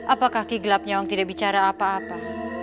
apakah ki gelap nyawang tidak bicara apa apa